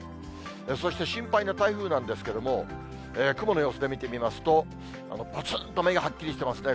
そして心配な台風なんですけれども、雲の様子で見てみますと、ぽつんと目がはっきりしてますね。